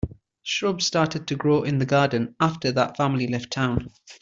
Shrubs started to grow in the garden after that family left town.